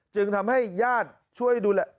จึงทำให้ญาติช่วยดูแล